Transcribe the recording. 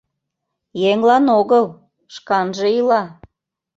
Еҥлан огыл, шканже ила.